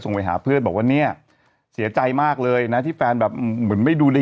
ไปหาเพื่อนบอกว่าเนี่ยเสียใจมากเลยนะที่แฟนแบบเหมือนไม่ดูเลย